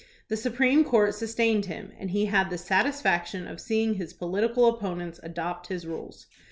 The Supreme Court sustained him, and he had the satisfaction of seeing his political opponents adopt his rules.